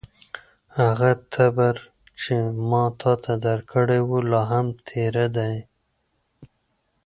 هغه تبر چې ما تاته درکړی و، لا هم تېره دی؟